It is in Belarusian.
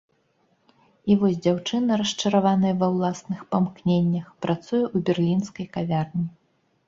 І вось дзяўчына, расчараваная ва ўласных памкненнях, працуе ў берлінскай кавярні.